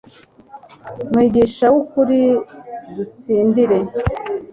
mwigisha w'ukuri, dutsindire